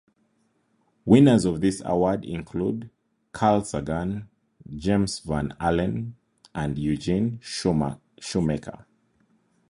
Winners of this award include Carl Sagan, James Van Allen, and Eugene Shoemaker.